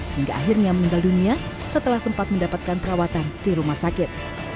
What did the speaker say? hingga akhirnya meninggal dunia setelah sempat mendapatkan perawatan di rumah sakit